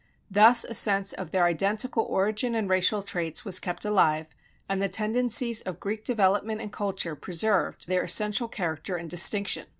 Thus a sense of their identical origin and racial traits was kept alive, and the tendencies of Greek development and culture preserved their essential character and distinction.